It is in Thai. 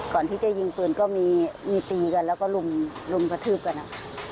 ก่อนที่จะยิงปืนก็มีมีตีกันแล้วก็ลุมกระทืบกัน